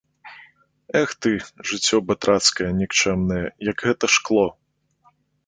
Эх ты, жыццё батрацкае, нікчэмнае, як гэта шкло!